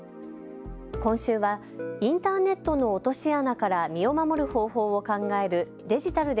今週はインターネットの落とし穴から身を守る方法を考えるデジタルで！